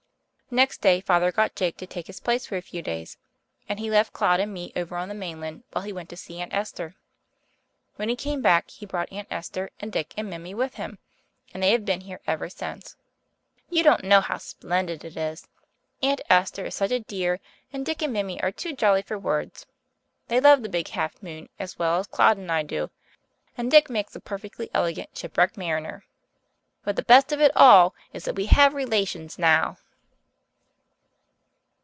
Next day Father got Jake to take his place for a few days, and he left Claude and me over on the mainland while he went to see Aunt Esther. When he came back he brought Aunt Esther and Dick and Mimi with him, and they have been here ever since. You don't know how splendid it is! Aunt Esther is such a dear, and Dick and Mimi are too jolly for words. They love the Big Half Moon as well as Claude and I do, and Dick makes a perfectly elegant shipwrecked mariner. But the best of it all is that we have relations now!